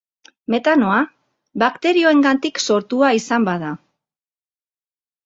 Metanoa bakterioengatik sortua izan bada.